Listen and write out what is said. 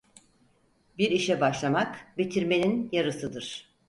Bir işe başlamak, bitirmenin yarısıdır.